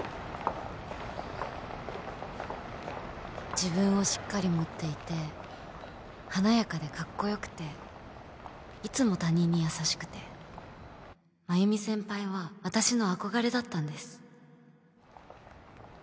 自分をしっかり持っていて華やかでかっこよくていつも他人に優しくて繭美先輩は私の憧れだったんです